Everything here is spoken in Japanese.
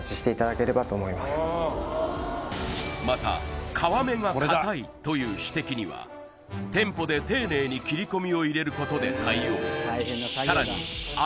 また皮目がかたいという指摘には店舗で丁寧に切り込みを入れることで対応